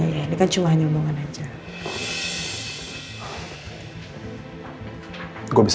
karena saya yang mengandung keisha